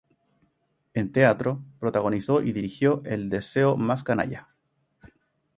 En teatro, protagonizó y dirigió "El deseo más canalla".